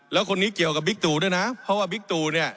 แล้วคนนี้เกี่ยวกับบิ๊กตูด้วยนะเพราะว่าบิ๊กตูเนี่ย